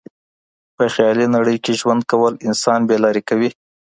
په خيالي نړۍ کي ژوند کول انسان بې لاري کوي.